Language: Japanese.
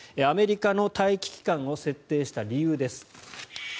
アメリカの待機期間を設定した理由です。